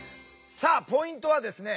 さあポイントはですね